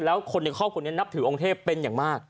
แล้วคนในครอบครัวนี้นับถือองค์เทพเป็นอย่างมาก